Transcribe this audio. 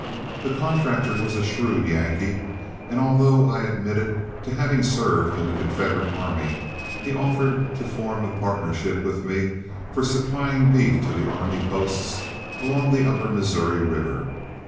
The contractor was a shrewd Yankee, and although I admitted having served in the Confederate army, he offered to form a partnership with me for supplying beef to the army posts along the upper Missouri River.